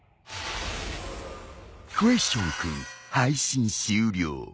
クエスチョン君配信終了。